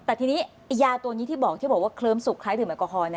แต่ทีนี้ยาตัวนี้ที่บอกที่บอกว่าเคลิ้มสุกคล้ายดื่แอลกอฮอล